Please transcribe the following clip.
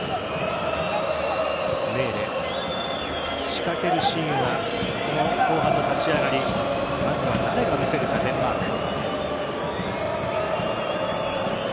仕掛けるシーンは後半の立ち上がりまずは誰が見せるか、デンマーク。